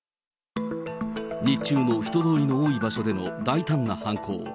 日中の人通りの多い場所での大胆な犯行。